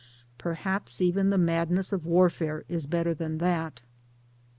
Perhaps even the madness of warfare is better than that.